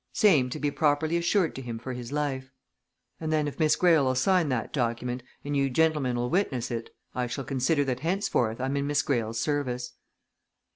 Same to be properly assured to him for his life.' And then if Miss Greyle'll sign that document, and you gentlemen'll witness it, I shall consider that henceforth I'm in Miss Greyle's service.